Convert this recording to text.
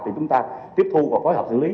thì chúng ta tiếp thu và phối hợp xử lý